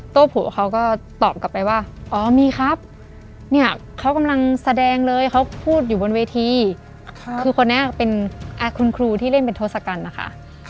โต้โผเขาก็ตอบกลับไปว่าอ๋อมีครับเนี่ยเขากำลังแสดงเลยเขาพูดอยู่บนเวทีคือคนนี้เป็นคุณครูที่เล่นเป็นทศกัณฐ์นะคะ